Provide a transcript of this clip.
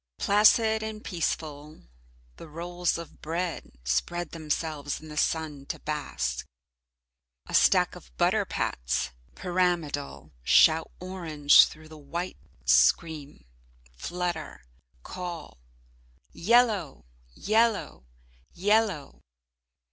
Placid and peaceful, the rolls of bread spread themselves in the sun to bask. A stack of butter pats, pyramidal, shout orange through the white, scream, flutter, call: "Yellow! Yellow! Yellow!"